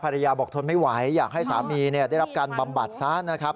ภรรยาบอกทนไม่ไหวอยากให้สามีได้รับการบำบัดซะนะครับ